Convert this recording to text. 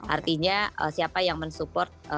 artinya siapa yang mensupport